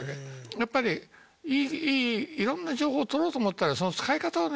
やっぱりいろんな情報を取ろうと思ったらその使い方をね